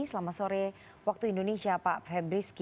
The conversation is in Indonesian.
selamat sore waktu indonesia pak febriski